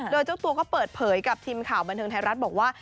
โดยเจ้าตัวก็เปิดเผยกับทีมข่าวบันเทิงไทยรัฐบอกว่า